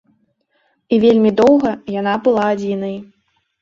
І вельмі доўга яна была адзінай.